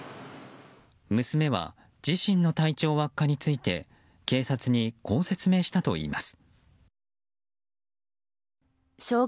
娘は、自身の体調悪化について警察にこう説明したといいます。